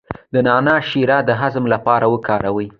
د نعناع شیره د هضم لپاره وکاروئ